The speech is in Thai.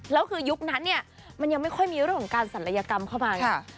แล้วคือยุคนั้นเนี่ยมันยังไม่ค่อยมีเรื่องของการศัลยกรรมเข้ามา